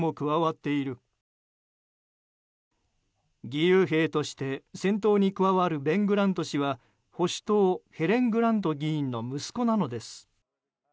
義勇兵として戦闘に加わるベン・グラント氏は保守党、ヘレン・グラント議員の息子なのです。